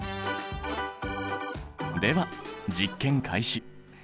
では実験開始。